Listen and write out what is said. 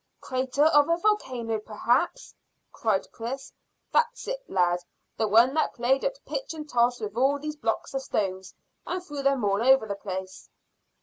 "Crater of a volcano, perhaps," cried Chris. "That's it, lad; the one that played at pitch and toss with all these blocks of stone, and threw them all over the place."